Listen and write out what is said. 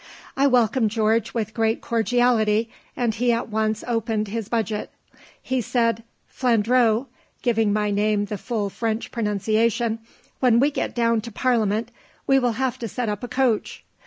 I welcomed George with great cordiality, and he at once opened his budget. He said: "Flaundreau," giving my name the full French pronunciation, "when we get down to parliament, we will have to set up a coach."